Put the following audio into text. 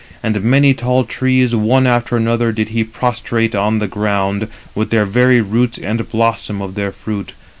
And many tall trees, one after another, did he prostrate on the ground, with their very roots and the blossom of their fruit.